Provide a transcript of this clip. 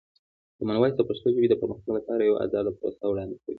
کامن وایس د پښتو ژبې د پرمختګ لپاره یوه ازاده پروسه وړاندې کوي.